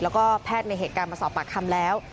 แล้วก็แพทย์ในเหตุการณ์มาสอบปากคำแล้ว